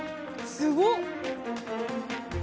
すごっ！